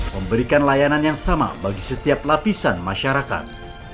memberikan layanan yang sama bagi setiap lapisan masyarakat